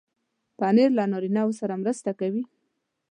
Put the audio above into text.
پنېر له نارینو سره مرسته کوي.